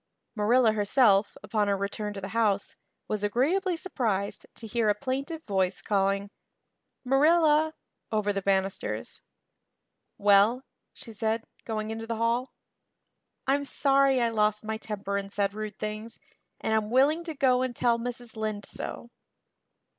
Marilla herself, upon her return to the house, was agreeably surprised to hear a plaintive voice calling, "Marilla" over the banisters. "Well?" she said, going into the hall. "I'm sorry I lost my temper and said rude things, and I'm willing to go and tell Mrs. Lynde so."